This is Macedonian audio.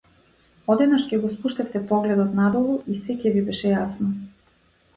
Одеднаш ќе го спуштевте погледот надолу и сѐ ќе ви беше јасно.